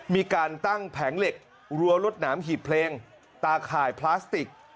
มีการตั้งแผงเหล็กรั้วรวดหนามหีบเพลงตาข่ายพลาสติก